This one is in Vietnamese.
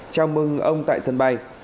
chào mừng ông tại sân bay